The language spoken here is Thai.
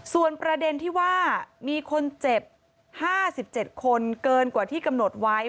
ส่วนประเด็นที่ว่ามีคนเจ็บ๕๗คนเกินกว่าที่กำหนดไว้